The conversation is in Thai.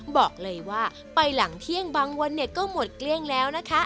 บอกเลยว่าไปหลังเที่ยงบางวันเนี่ยก็หมดเกลี้ยงแล้วนะคะ